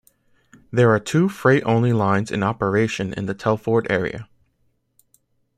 There are two freight only lines in operation in the Telford area.